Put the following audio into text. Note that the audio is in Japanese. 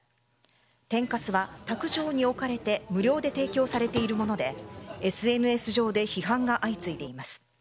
天かすは卓上に置かれて無料で提供されているものでＳＮＳ上で批判が相次いでいます。